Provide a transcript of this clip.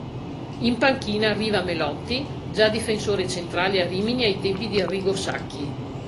In panchina arriva Melotti, già difensore centrale a Rimini ai tempi di Arrigo Sacchi.